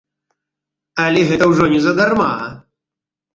Але гэта ўжо не задарма!